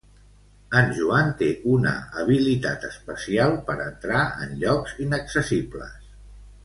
En Joan té una habilitat especial per entrar en llocs inaccessibles.